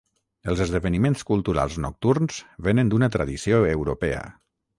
Els esdeveniments culturals nocturns vénen d'una tradició europea.